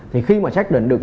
thì khi mà xác định được